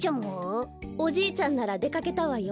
おじいちゃんならでかけたわよ。